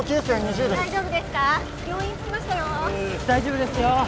大丈夫ですよ。